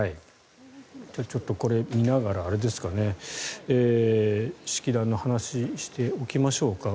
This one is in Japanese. ちょっとこれ、見ながら式壇の話をしておきましょうか。